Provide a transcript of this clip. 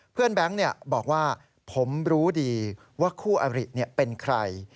แบงค์บอกว่าผมรู้ดีว่าคู่อริเป็นใคร